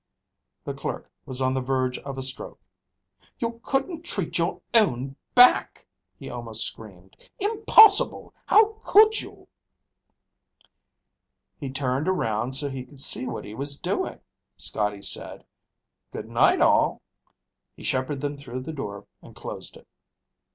The clerk was on the verge of a stroke. "You couldn't treat your own back," he almost screamed. "Impossible! How could you?" "He turned around so he could see what he was doing," Scotty said. "Good night, all." He shepherded them through the door and closed it.